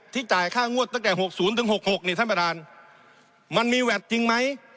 จ่ายค่างวดตั้งแต่๖๐ถึง๖๖นี่ท่านประธานมันมีแวดจริงไหม